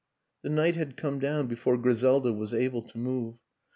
The night had come down before Griselda was able to move.